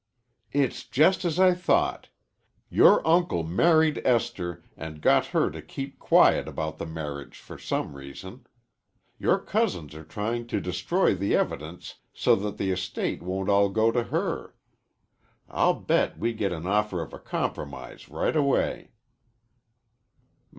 "It's just as I thought. Your uncle married Esther and got her to keep quiet about the marriage for some reason. Your cousins are trying to destroy the evidence so that the estate won't all go to her. I'll bet we get an offer of a compromise right away."